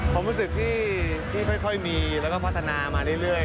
ความรู้สึกที่ค่อยมีแล้วก็พัฒนามาเรื่อย